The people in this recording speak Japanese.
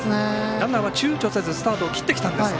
ランナーはちゅうちょせずスタートを切ってきたんですが。